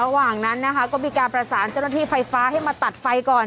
ระหว่างนั้นนะคะก็มีการประสานเจ้าหน้าที่ไฟฟ้าให้มาตัดไฟก่อน